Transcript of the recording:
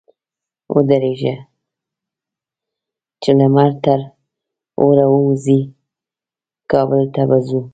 ودرېږه! چې لمر تر اوره ووزي؛ کابل ته به ځو.